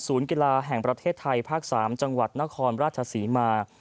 กีฬาแห่งประเทศไทยภาค๓จังหวัดนครราชศรีมา